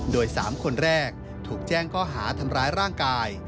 โดย๓คนแรกถูกแจ้งข้อหาทำร้ายร่างกาย